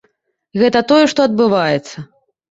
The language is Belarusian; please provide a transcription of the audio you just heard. Гэта тое, што адбываецца.